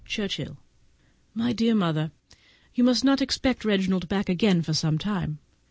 _ Churchhill. My dear Mother,—You must not expect Reginald back again for some time.